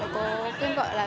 có tên gọi là